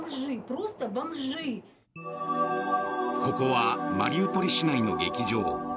ここはマリウポリ市内の劇場。